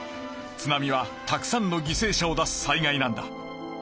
津波はたくさんのぎせい者を出す災害なんだ。